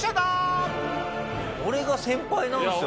俺が先輩なんですよ。